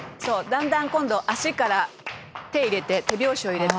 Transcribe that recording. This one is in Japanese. だんだん今度足から手入れて手拍子を入れる」